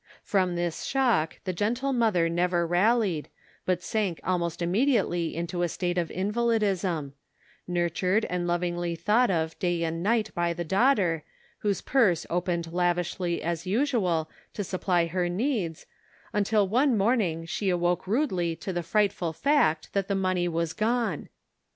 From this shock the gentle mother never rallied, but sank almost immediately into a state of invalidism ; nurtured and lovingly thought of day and night by the daughter, whose purse opened lavishly, as usual, to supply her needs, until one morning she awoke rudely to the frightful fact that the money was gone ! Cake and Benevolence.